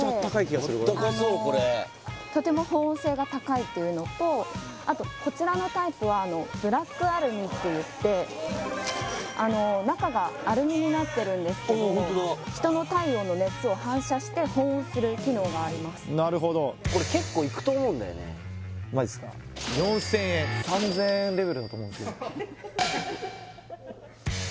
そうこれとても保温性が高いっていうのとあとこちらのタイプはブラックアルミっていって中がアルミになってるんですけどああホントだ人の体温の熱を反射して保温する機能がありますなるほどこれ結構いくと思うんだよねマジっすか４０００円３０００円レベルだと思うんですよ